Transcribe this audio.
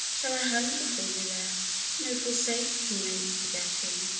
Shall I hunger for you less ? No forsaking makes forgetting